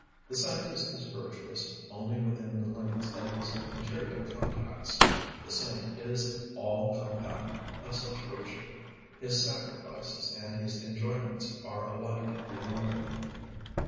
The scientist is virtuous only within the limits of his material contacts; the saint is "all compact" of such virtue; his sacrifices and his enjoyments are alike illimitable.